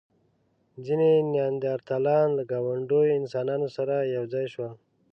ځینې نیاندرتالان له ګاونډيو انسانانو سره یو ځای شول.